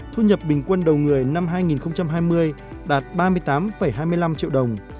thu nhập bình quân đầu người năm hai nghìn hai mươi đạt ba mươi tám hai mươi năm triệu đồng